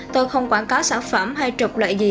tôi không quảng cáo sản phẩm hay trục loại gì